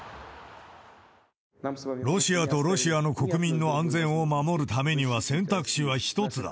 ロシアとロシアの国民の安全を守るためには、選択肢は一つだ。